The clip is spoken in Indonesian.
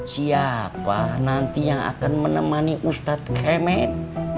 siapa nanti yang akan menemani ustadz kemen